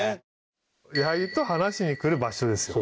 矢作と話しに来る場所ですよ